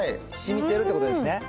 しみてるということですね？